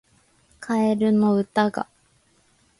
カエルの歌が